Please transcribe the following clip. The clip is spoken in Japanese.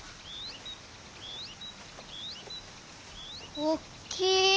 おっきい！